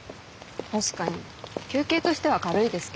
確かに求刑としては軽いですけど。